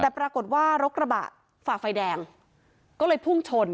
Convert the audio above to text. แต่ปรากฏว่ารถกระบะฝ่าไฟแดงก็เลยพุ่งชน